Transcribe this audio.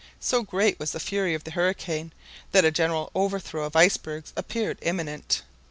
So great was the fury of the hurricane that a general overthrow of icebergs appeared imminent.